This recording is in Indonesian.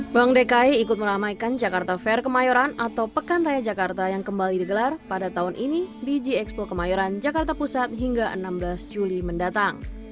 bank dki ikut meramaikan jakarta fair kemayoran atau pekan raya jakarta yang kembali digelar pada tahun ini di gxpo kemayoran jakarta pusat hingga enam belas juli mendatang